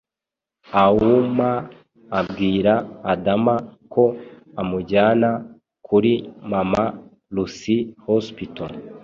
auma abwira adama ko amujyana kuri mama lucy hospital